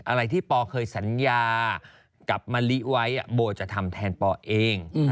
อะไรที่ปอเคยสัญญากับมะลิไว้โบจะทำแทนปอเอง